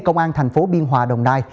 công an thành phố biên hòa đồng nai